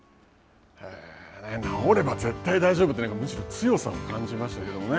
治れば絶対大丈夫ってむしろ強さを感じましたけどね。